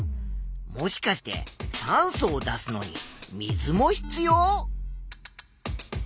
もしかして酸素を出すのに水も必要？